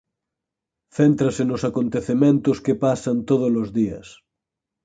Céntrase nos acontecementos que pasan tódolos días.